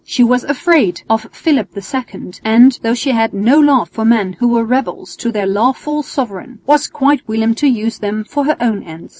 She was afraid of Philip II and, though she had no love for men who were rebels to their lawful sovereign, was quite willing to use them for her own ends.